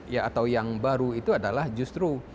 ya atau yang baru itu adalah justru